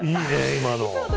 今の。